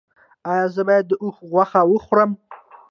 ایا زه باید د اوښ غوښه وخورم؟